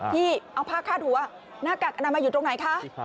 ที่เอาผ้าคาดหัวหน้ากากอนามัยอยู่ตรงไหนคะ